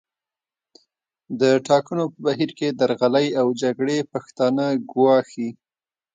د ټاکنو په بهیر کې درغلۍ او جګړې پښتانه ګواښي